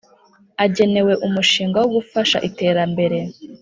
agenewe Umushinga wo gufasha Iterambere